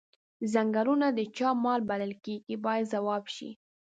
څنګلونه د چا مال بلل کیږي باید ځواب شي.